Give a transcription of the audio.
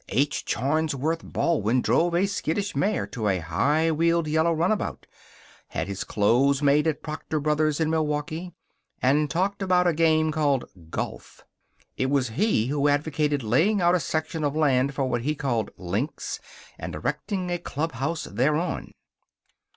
H. Charnsworth Baldwin drove a skittish mare to a high wheeled yellow runabout; had his clothes made at Proctor Brothers in Milwaukee; and talked about a game called golf. It was he who advocated laying out a section of land for what he called links, and erecting a clubhouse thereon.